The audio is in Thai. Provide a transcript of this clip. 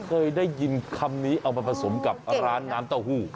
เคยได้ยินคำนี้เอามาผสมกับร้านน้ำเต้าหู้